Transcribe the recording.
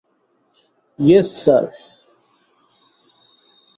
ইয়েশ, sir.